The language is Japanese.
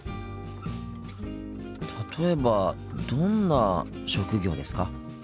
例えばどんな職業ですか？